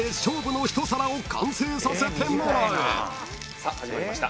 さあ始まりました。